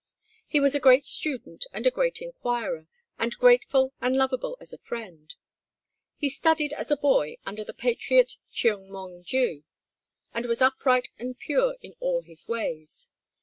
He was a great student and a great inquirer, and grateful and lovable as a friend. He studied as a boy under the patriot Cheung Mong ju, and was upright and pure in all his ways.